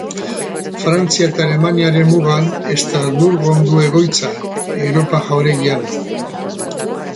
Frantzia eta Alemaniaren mugan, Estrasburgon du egoitza, Europa Jauregian.